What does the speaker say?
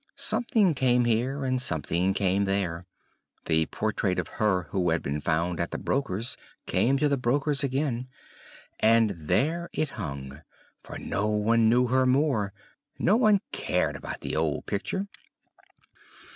Something came here, and something came there; the portrait of her who had been found at the broker's came to the broker's again; and there it hung, for no one knew her more no one cared about the old picture.